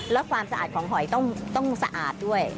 แล้วความสะอาดของหอยต้องสะอาดด้วย